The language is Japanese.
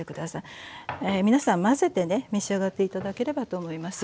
皆さん混ぜてね召し上がって頂ければと思います。